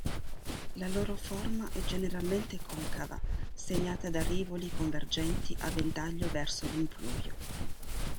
La loro forma è generalmente concava, segnata da rivoli convergenti a ventaglio verso l'impluvio.